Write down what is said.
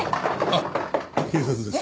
あっ警察です。